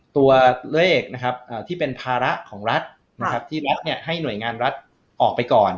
ตัวเลขที่เป็นภาระของรัฐที่รัฐให้หน่วยงานรัฐออกไปก่อน